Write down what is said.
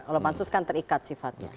oleh pansus kan terikat sifatnya